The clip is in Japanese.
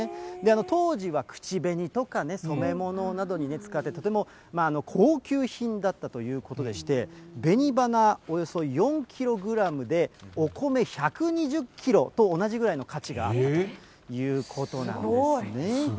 当時は口紅とかね、染め物などに使って、とても高級品だったということでして、べに花およそ４キログラムでお米１２０キロと同じぐらいの価値があったということなんですね。